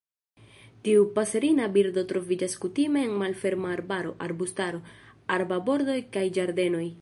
Tiu paserina birdo troviĝas kutime en malferma arbaro, arbustaro, arbarbordoj kaj ĝardenoj.